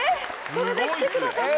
それで来てくださった？